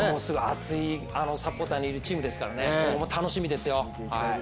熱いサポーターのいるチームですから楽しみですよ。